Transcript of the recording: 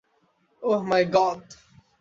Oh my god.